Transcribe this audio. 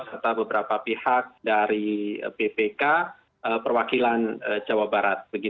serta beberapa pihak dari bpk perwakilan jawa barat